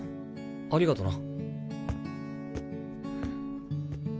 ありがとな。